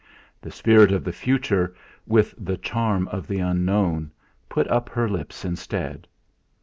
The spirit of the future, with the charm of the unknown, put up her lips instead.